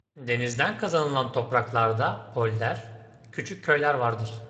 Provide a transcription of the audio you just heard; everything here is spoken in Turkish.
Denizden kazanılan topraklarda (polder) küçük köyler vardır.